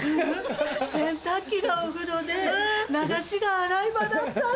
洗濯機がお風呂で流しが洗い場だったの。